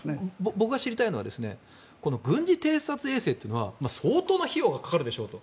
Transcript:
僕が知りたいのは軍事偵察衛星というのは相当な費用がかかるでしょうと。